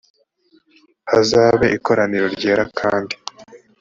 hazabe ikoraniro ryera kandi